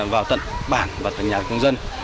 vào tận bản và tận nhà công dân